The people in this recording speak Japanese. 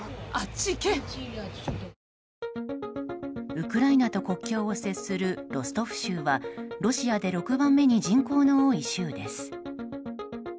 ウクライナと国境を接するロストフ州はロシアで６番目に人口の多い州です。